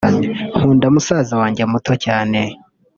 Nkunda musaza wanjye muto cyane